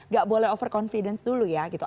gak boleh over confidence dulu ya gitu